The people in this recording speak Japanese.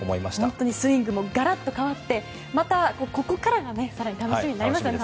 本当にスイングもガラッと変わってまたここからが更に楽しみになりましたね